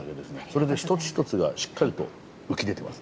それで一つ一つがしっかりと浮き出てます。